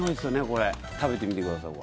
これ食べてみてください